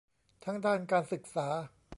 ทั้งด้านการศึกษา